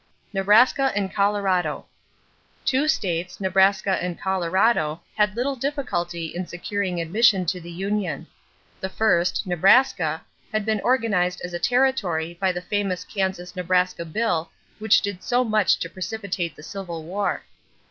=Nebraska and Colorado.= Two states, Nebraska and Colorado, had little difficulty in securing admission to the union. The first, Nebraska, had been organized as a territory by the famous Kansas Nebraska bill which did so much to precipitate the Civil War.